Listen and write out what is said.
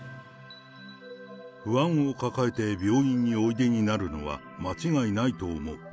不安を抱えて病院においでになるのは間違いないと思う。